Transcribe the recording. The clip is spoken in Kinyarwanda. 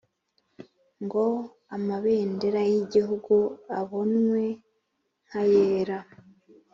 ngo amabendera y ibihugu abonwe nk ayera